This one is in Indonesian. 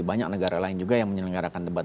banyak negara lain juga yang menyelenggarakan debat